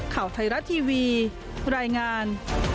ข่าวไทยรัฐทีวีรายงาน